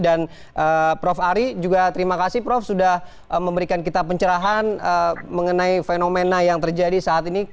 dan prof ari juga terima kasih prof sudah memberikan kita pencerahan mengenai fenomena yang terjadi saat ini